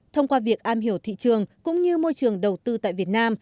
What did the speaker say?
thông qua việc am hiểu thị trường cũng như môi trường đầu tư tại việt nam